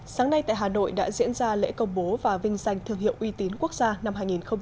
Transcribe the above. sáng nay tại hà nội đã diễn ra lễ công bố và vinh danh thương hiệu uy tín quốc gia năm hai nghìn hai mươi